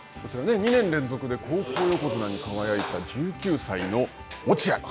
２年連続で高校横綱に輝いた１９歳の落合君。